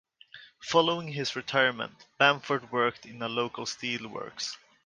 Following his retirement, Bamford worked in a local steelworks.